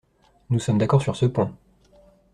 Nous sommes d’accord sur ce point.